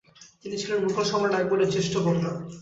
তিনি ছিলেন মুঘল সম্রাট আকবরের জ্যেষ্ঠ কন্যা।